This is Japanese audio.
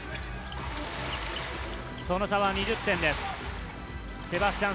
その差は２０点です。